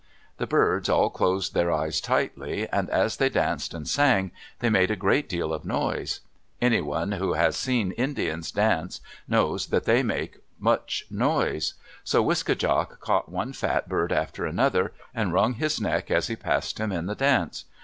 The birds all closed their eyes tightly, and as they danced and sang, they made a great deal of noise. Anyone who has seen Indians dance knows that they make much noise. So Wiske djak caught one fat bird after another, and wrung his neck as he passed him in the dance.